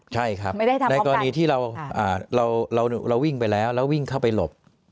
ใช่ครับในกรณีที่เราวิ่งไปแล้วแล้ววิ่งเข้าไปหลบ